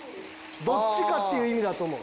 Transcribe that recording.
どっちかっていう意味だと思う。